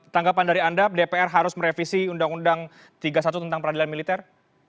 tanggapan dari anda dpr harus merevisi undang undang tiga puluh satu tentang peradilan militer